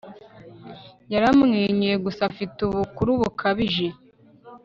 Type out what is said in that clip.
Yaramwenyuye gusa afite ubukuru bukabije